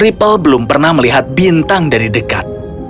ripple belum pernah melihat bintang dari dekat